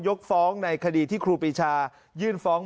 ยกฟ้องในคดีที่ครูปีชายื่นฟ้อง